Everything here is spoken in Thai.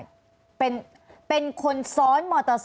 อันดับที่สุดท้าย